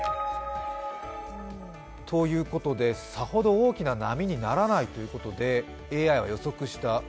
ということで、さほど大きな波にならないとＡＩは予測した。